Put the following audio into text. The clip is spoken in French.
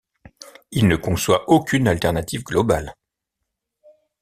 Il ne conçoit aucune alternative globale.